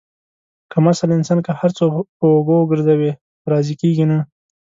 کم اصل انسان که هر څو په اوږو وگرځوې، خو راضي کېږي نه.